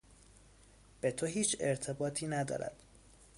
به تو هیچ ارتباطی ندارد!